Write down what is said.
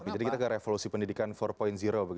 jadi kita ke revolusi pendidikan empat begitu ya